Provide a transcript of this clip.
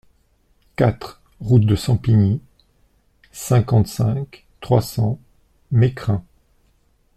quatre route de Sampigny, cinquante-cinq, trois cents, Mécrin